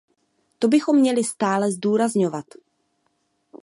To bychom měli stále zdůrazňovat.